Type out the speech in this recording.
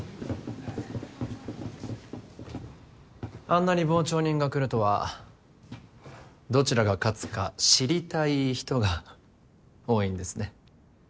あんなに傍聴人が来るとはどちらが勝つか知りたい人が多いんですね